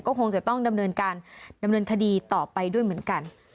ก็คงจะต้องดำเนินการดำเนินคดีต่อไปด้วยเหมือนกัน